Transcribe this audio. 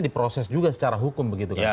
diproses juga secara hukum